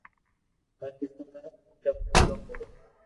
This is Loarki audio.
هر قسم را چپ ملو هو